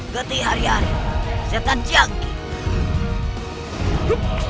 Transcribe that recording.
getih hari hari setan cianki